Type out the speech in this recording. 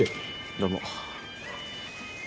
どうも。